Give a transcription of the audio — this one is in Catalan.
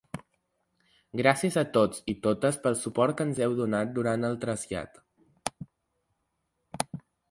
Gràcies a tots i totes pel suport que ens heu donat durant el trasllat.